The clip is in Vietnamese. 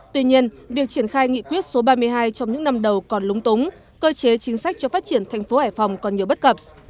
tuy nhiên việc triển khai nghị quyết số ba mươi hai trong những năm đầu còn lúng túng cơ chế chính sách cho phát triển thành phố hải phòng còn nhiều bất cập